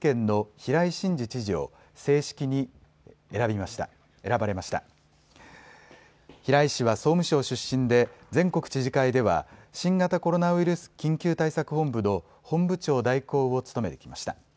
平井氏は総務省出身で全国知事会では新型コロナウイルス緊急対策本部の本部長代行を務めてきました。